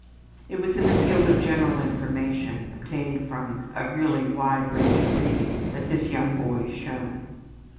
It was in the field of general information, obtained from a really wide range of reading, that this young boy shone.